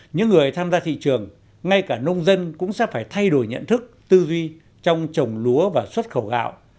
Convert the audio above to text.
những người tham gia thị trường ngay cả nông dân cũng sẽ phải thay đổi nhận thức tư duy trong trồng lúa và xuất khẩu gạo